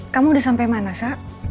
kamu udah sampai mana sak